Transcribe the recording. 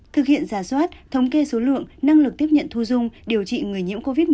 thực hiện giả soát thống kê số lượng năng lực tiếp nhận thu dung điều trị người nhiễm covid một mươi chín